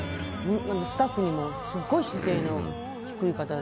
スタッフにもすごい姿勢の低い方で。